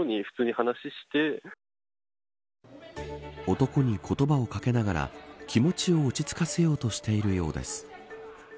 男に言葉を掛けながら気持ちを落ち着かせようとしているようです。